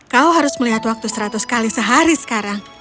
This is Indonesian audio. kau harus melihat waktu seratus kali sehari sekarang